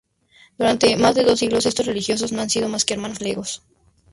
Durante más de dos siglos, estos religiosos no han sido más que hermanos legos.